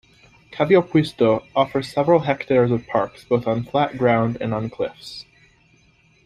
Kaivopuisto offers several hectares of parks, both on flat ground, and on cliffs.